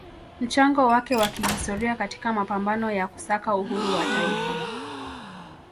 mchango wake wa kihistoria katika mapambano ya kusaka uhuru wa taifa